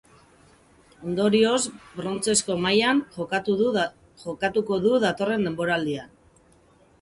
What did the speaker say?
Ondorioz, brontzezko mailan jokatuko du datorren denboraldian.